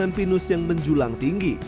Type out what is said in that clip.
dengan pinus yang menjulang tinggi